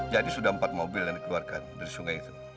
jadi sudah empat mobil yang dikeluarkan dari sungai itu